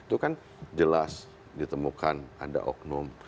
itu kan jelas ditemukan ada oknum